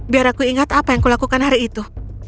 biar aku ingat apa yang kulakukan hari itu